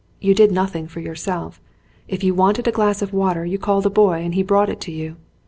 You did nothing for yourself. If you wanted a glass of water you called a boy and he brought it to you.